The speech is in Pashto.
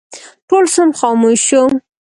ټول صنف خاموش شو.